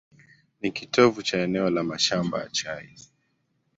Ni kitovu cha eneo la mashamba ya chai.